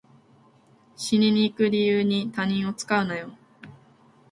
死にに行く理由に他人を使うなよ